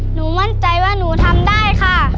หนูมั่นใจว่าหนูทำได้ค่ะ